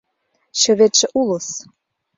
— Чыветше улыс.